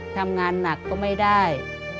ทำงานหนักก็ไม่ได้